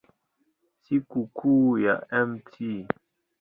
Sikukuu ya Mt.